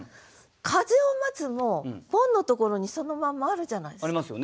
「風を待つ」もボンのところにそのまんまあるじゃないですか。